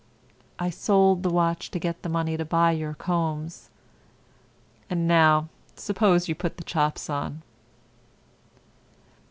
I sold the watch to get the money to buy your combs. And now suppose you put the chops on."